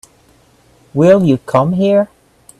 Will you come here?